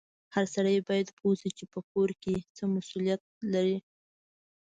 هر سړی باید پوه سي چې په کور کې څه مسولیت لري